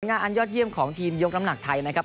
งานอันยอดเยี่ยมของทีมยกน้ำหนักไทยนะครับ